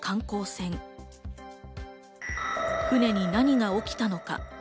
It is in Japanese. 船に何が起きたのか。